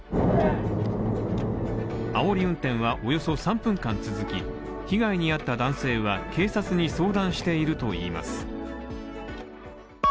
あおり運転はおよそ３分間続き、被害に遭った男性は警察に相談しているといいます。